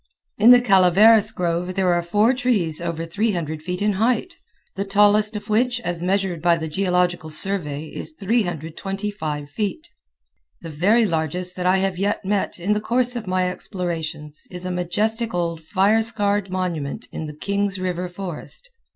In the Calaveras grove there are four trees over 300 feet in height, the tallest of which as measured by the Geological Survey is 325 feet. The very largest that I have yet met in the course of my explorations is a majestic old fire scarred monument in the Kings River forest.